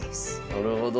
なるほど。